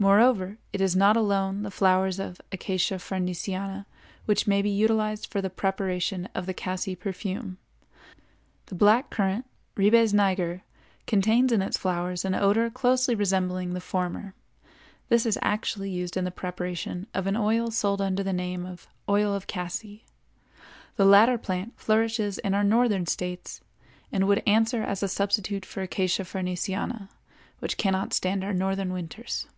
Moreover, it is not alone the flowers of Acacia farnesiana which may be utilized for the preparation of the cassie perfume; the black currant, Ribes niger, contains in its flowers an odor closely resembling the former; this is actually used in the preparation of an oil sold under the name of "oil of cassie." The latter plant flourishes in our northern States and would answer as a substitute for Acacia farnesiana, which cannot stand our northern winters.